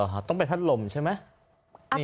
อ๋อหรอต้องไปพัดลมใช่ไหม